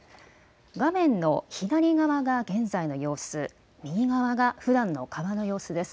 画面の左側が現在の様子、右側がふだんの川の様子です。